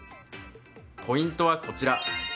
ポイントはこちら。